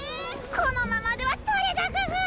このままでは撮れ高が！